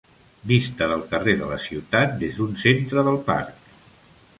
Vista del carrer de la ciutat des d'un centre del parc.